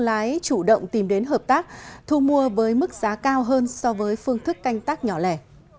lái chủ động tìm đến hợp tác thu mua với mức giá cao hơn so với phương thức canh tác nhỏ lẻ